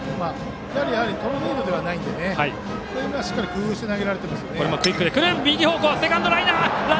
やはりトルネードではないのでしっかり工夫して投げられていますね。